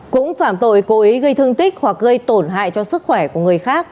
cũng phạm tội cố ý gây thương tích hoặc gây tổn hại cho sức khỏe của người khác